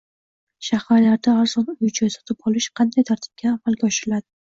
Shaharlarda arzon uy-joy sotib olish qanday tartibda amalga oshiriladi?